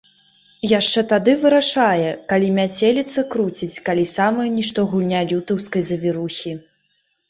Яшчэ тады вырашае, калі мяцеліца круціць, калі самая нішто гульня лютаўскай завірухі.